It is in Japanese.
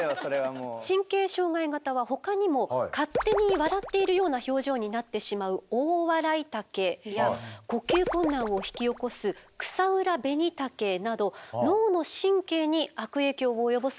神経障害型はほかにも勝手に笑っているような表情になってしまうオオワライタケや呼吸困難を引き起こすクサウラベニタケなど脳の神経に悪影響を及ぼすものが多くなっています。